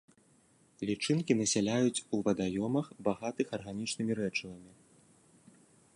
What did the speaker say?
Лічынкі насяляюць у вадаёмах, багатых арганічнымі рэчывамі.